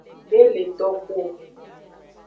De le toxu o.